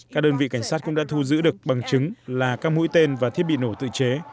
các đơn vị cảnh sát cũng đã thu giữ được bằng chứng là các mũi tên và thiết bị nổ tự chế